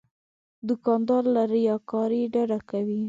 دوکاندار له ریاکارۍ ډډه کوي.